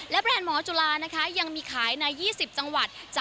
และแบรนด์หมอจุลาร์ยังมีขายใน๒๐จังหวัดจากทั้งหมด๒๔จังหวัดทั่วประเทศกัมพูชา